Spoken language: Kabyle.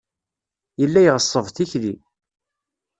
Yella iɣeṣṣeb tikli.